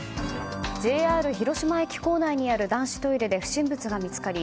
ＪＲ広島駅構内にある男子トイレで不審物が見つかり